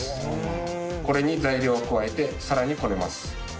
これに材料を加えてさらにこねます。